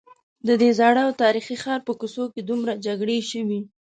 ددې زاړه او تاریخي ښار په کوڅو کې دومره جګړې شوي.